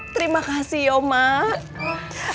terima kasih ya mak